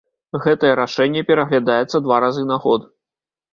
Гэтае рашэнне пераглядаецца два разы на год.